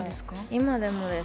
今でもです。